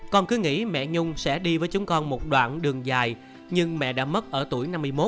con cứ nghĩ mẹ nhung sẽ đi với chúng con một đoạn đường dài nhưng mẹ đã mất ở tuổi năm mươi một